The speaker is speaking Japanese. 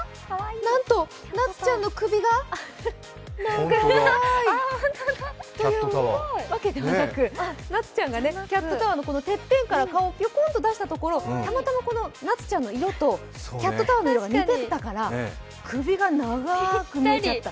なんと、ナツちゃんの首が長い、というわけではなくナツちゃんがキャットタワーのてっぺんから首を出したところ、たまたまナツちゃんの色とキャットタワーの色が似てたから首が長く見えちゃった。